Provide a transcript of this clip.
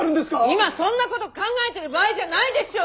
今はそんな事考えてる場合じゃないでしょう！